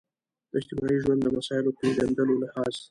د اجتماعي ژوند د مسایلو پېژندلو لحاظ.